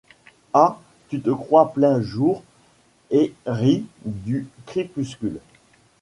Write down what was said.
Ah ! tu te crois plein jour et ris du crépuscule !